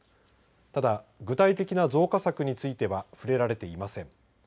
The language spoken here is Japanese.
ただ、具体的な増加策については触れられていません。